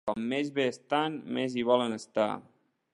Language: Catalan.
Com més bé estan, més hi volen estar.